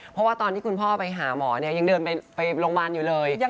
เพราะว่าตอนที่คุณพ่อไปหาหมอยังเดินไปลงบ้านอยู่เลย